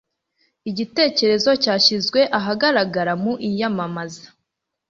Igitekerezo cyashyizwe ahagaragara mu iyamamaza